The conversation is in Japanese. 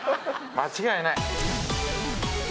間違いない。